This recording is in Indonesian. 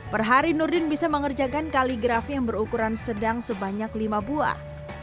perhari nurdin bisa mengerjakan kaligrafi yang berukuran sedang sebanyak lima buah